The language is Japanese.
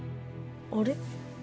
あれ。